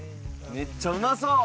めっちゃうまそう！